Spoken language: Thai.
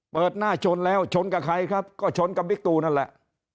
เปิดหน้าชนแล้วชนกับใครครับก็ชนกับบิ๊กตูนั่นแหละ